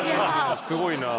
すごいなあ。